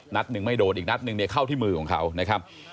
นัดหนึ่งไม่โดนอีกนัดหนึ่งเข้าที่มือของเขา